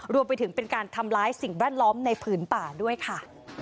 รวมไปถึงเป็นการทำร้ายสิ่งแวดล้อมในผืนป่าด้วยค่ะ